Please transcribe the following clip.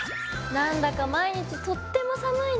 なんだか毎日とっても寒いね。